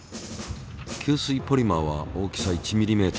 吸水ポリマーは大きさ１ｍｍ。